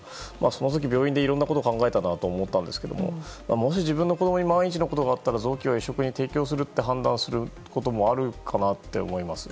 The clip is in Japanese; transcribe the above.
その時病院でいろいろなことを考えたなと思ったんですがもし自分の子供に万一のことがあったら臓器を移植に提供すると判断することもあるかなと思います。